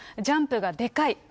ジャンプがでかい。